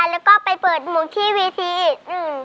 แล้วก็ไปเปิดหมวกที่วิธีอื่นอื่น